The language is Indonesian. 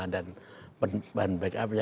dan bahan baik api